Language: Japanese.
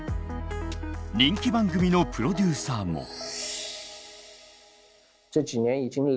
人気番組のプロデューサーも。